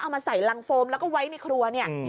เอามาใส่ลังฟอมแล้วก็ไว้ในครัว